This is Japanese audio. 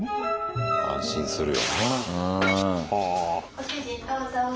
ご主人どうぞ。